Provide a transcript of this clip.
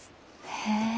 へえ。